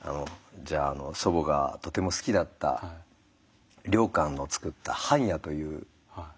じゃあ祖母がとても好きだった良寛の作った「半夜」という詩吟が。